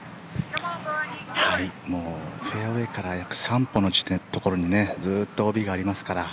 はい、フェアウェーから約３歩のところにずっとＯＢがありますから。